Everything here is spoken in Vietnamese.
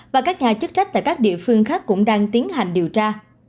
và các nhà chức trách tại các địa phương khác cũng đang tiến hành điều tra